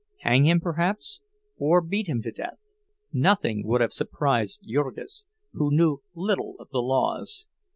Hang him, perhaps, or beat him to death—nothing would have surprised Jurgis, who knew little of the laws.